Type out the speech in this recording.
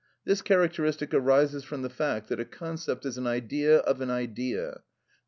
This characteristic arises from the fact that a concept is an idea of an idea, _i.